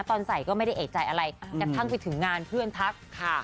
ตอนใส่ก็ไม่ได้เอกใจอะไรกระทั่งไปถึงงานเพื่อนทักค่ะ